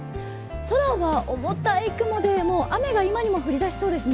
空は重たい雲で雨が降りだしそうですね。